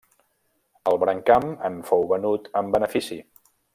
El brancam en fou venut amb benefici.